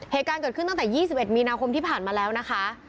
เหตุการณ์เกิดขึ้นตั้งแต่๒๑มีนาคมที่ผ่านมาแล้วนะคะ